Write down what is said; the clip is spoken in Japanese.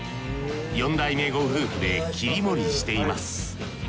四代目ご夫婦で切り盛りしています。